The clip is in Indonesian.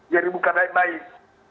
jadi buka baik baik